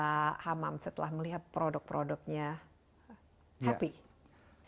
pak hamam setelah melihat produk produknya happy